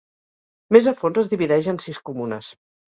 Més a fons es divideix en sis comunes.